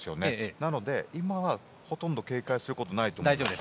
なので、今はほとんど警戒することないと思います。